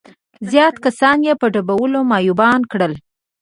زيات کسان يې په ډبولو معيوبان کړل.